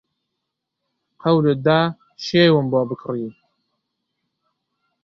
قەولت دا شێوم بۆ بکڕی